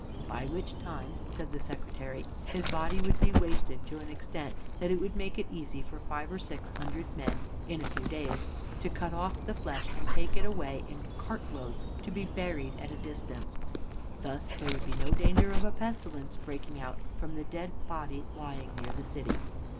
By which time, said the Secretary, his body would be wasted to an extent that would make it easy for five or six hundred men, in a few days, to cut off the flesh and take it away in cart loads to be buried at a distance. Thus there would be no danger of a pestilence breaking out from the dead body lying near the city.